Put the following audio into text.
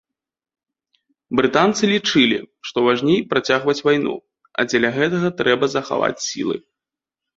Брытанцы лічылі, што важней працягваць вайну, а дзеля гэтага трэба захаваць сілы.